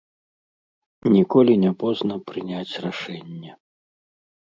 Ніколі не позна прыняць рашэнне.